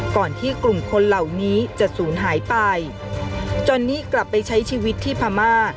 ก่อนที่กลุ่มคนเหล่านี้จะศูนย์หายไปจนนี่กลับไปใช้ชีวิตที่พม่า